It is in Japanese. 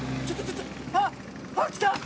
あっきた！